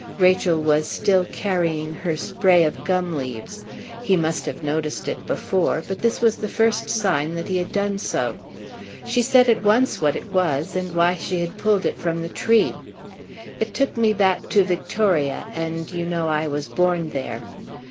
Rachel was still carrying her spray of gum leaves; he must have noticed it before, but this was the first sign that he had done so. She said at once what it was, and why she had pulled it from the tree. "It took me back to Victoria; and, you know, I was born there."